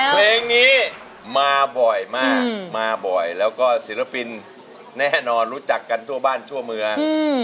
เพลงนี้มาบ่อยมากมาบ่อยแล้วก็ศิลปินแน่นอนรู้จักกันทั่วบ้านทั่วเมือง